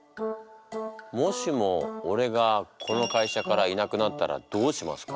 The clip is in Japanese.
「もしも俺がこの会社からいなくなったらどうしますか？」